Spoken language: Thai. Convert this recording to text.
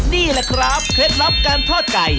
นี่แหละครับเคล็ดลับการทอดไก่